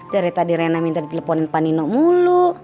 dari tadi rena minta diteleponin pak nino mulu